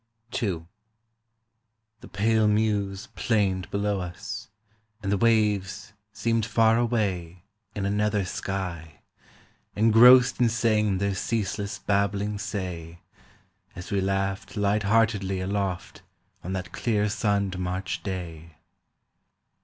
II The pale mews plained below us, and the waves seemed far away In a nether sky, engrossed in saying their ceaseless babbling say, As we laughed light heartedly aloft on that clear sunned March day.